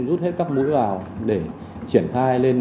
rút hết các mũi vào để triển khai lên